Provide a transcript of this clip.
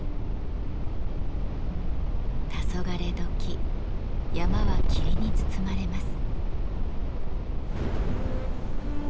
たそがれ時山は霧に包まれます。